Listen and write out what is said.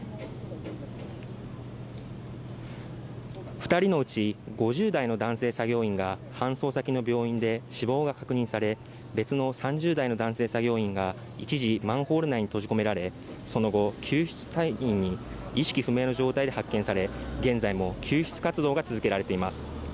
２人のうち５０代の男性作業員が搬送先の病院で死亡が確認され別の３０代の男性作業員が一時マンホール内に閉じ込められその後、救急隊員に意識不明の状態で発見され現在も救出活動が続けられています。